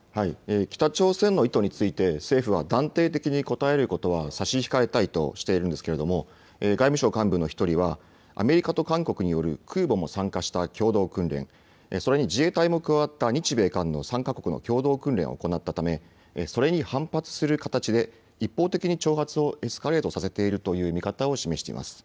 北朝鮮の意図について政府は断定的に答えることは差し控えたいとしているんですけれども、外務省幹部の１人はアメリカと韓国による空母も参加した共同訓練、それに自衛隊も加わった日米韓の３か国の共同訓練を行ったためそれに反発する形で一方的に挑発をエスカレートさせているという見方を示しています。